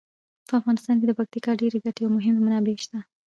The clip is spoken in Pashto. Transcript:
په افغانستان کې د پکتیکا ډیرې ګټورې او مهمې منابع شته.